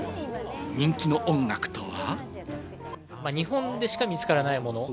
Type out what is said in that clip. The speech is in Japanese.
人気の音楽とは？